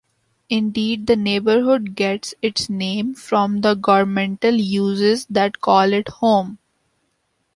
Indeed, the neighborhood gets its name from the governmental uses that call it home.